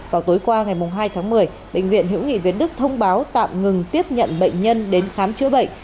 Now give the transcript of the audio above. vào tối qua ngày hai tháng một mươi bệnh viện hữu nghị việt đức thông báo tạm ngừng tiếp nhận bệnh nhân đến khám chữa bệnh